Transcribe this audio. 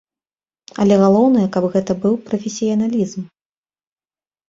Але галоўнае, каб гэта быў прафесіяналізм.